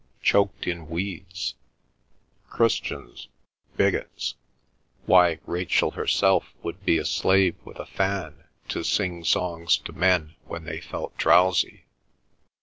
Choked in weeds; Christians, bigots,—why, Rachel herself, would be a slave with a fan to sing songs to men when they felt drowsy.